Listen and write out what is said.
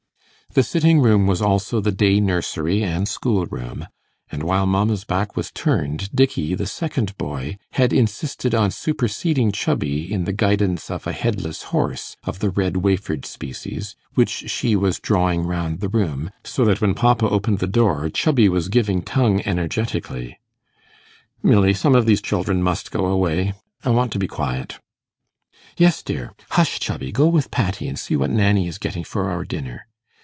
The sitting room was also the day nursery and schoolroom; and while Mamma's back was turned, Dickey, the second boy, had insisted on superseding Chubby in the guidance of a headless horse, of the red wafered species, which she was drawing round the room, so that when Papa opened the door Chubby was giving tongue energetically. 'Milly, some of these children must go away. I want to be quiet.' 'Yes, dear. Hush, Chubby; go with Patty, and see what Nanny is getting for our dinner.